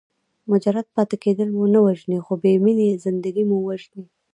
مجرد پاتې کېدل مو نه وژني خو بې مینې زندګي مو وژني.